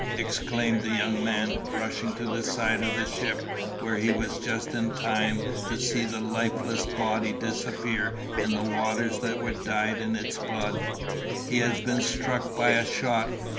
exclaimed the young man, rushing to the side of the ship, where he was just in time to see the lifeless body disappear in the waters that were dyed in its blood; "he has been struck by a shot!